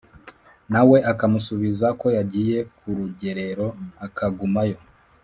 na we akamusubiza ko yagiye ku rugerero akagumayo